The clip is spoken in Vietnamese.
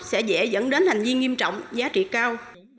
sẽ dễ dẫn đến hành vi nghiêm trọng giá trị cao